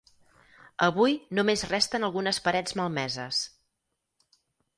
Avui només resten algunes parets malmeses.